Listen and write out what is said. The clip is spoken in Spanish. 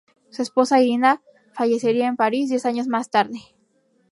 Su esposa, Irina, fallecería en París diez años más tarde.